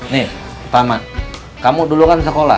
nih pertama kamu dulu kan sekolah